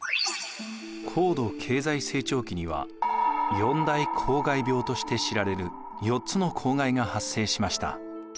高度経済成長期には４大公害病として知られる４つの公害が発生しました。